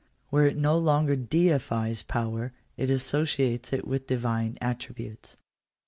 Where it no longer deifies power, it associates it with divine attributes.